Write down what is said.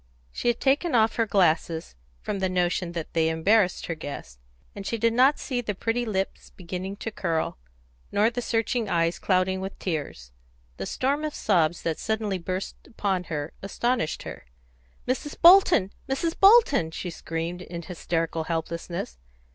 She had taken off her glasses, from the notion that they embarrassed her guest, and she did not see the pretty lips beginning to curl, nor the searching eyes clouding with tears; the storm of sobs that suddenly burst upon her astounded her. "Mrs. Bolton! Mrs. Bolton!" she screamed, in hysterical helplessness.